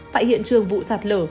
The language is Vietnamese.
tại hiện trường vụ sạt lở